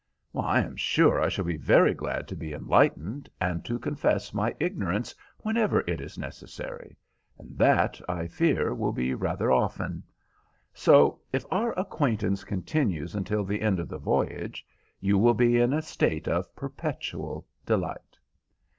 "I am sure I shall be very glad to be enlightened, and to confess my ignorance whenever it is necessary, and that, I fear, will be rather often. So, if our acquaintance continues until the end of the voyage, you will be in a state of perpetual delight."